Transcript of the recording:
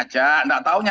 masih ada tuh saya